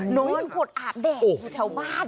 นอนโคทอาดแดงอยู่แถวบ้าน